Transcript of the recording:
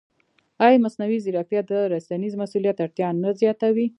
ایا مصنوعي ځیرکتیا د رسنیز مسؤلیت اړتیا نه زیاتوي؟